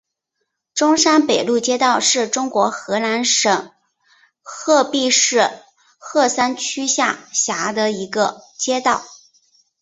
中山北路街道是中国河南省鹤壁市鹤山区下辖的一个街道。